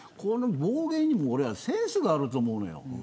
暴言にもセンスがあると思う。